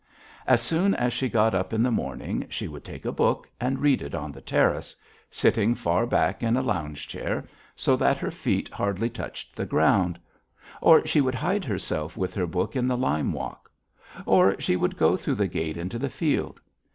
As soon as she got up in the morning she would take a book and read it on the terrace, sitting far back in a lounge chair so that her feet hardly touched the ground, or she would hide herself with her book in the lime walk, or she would go through the gate into the field.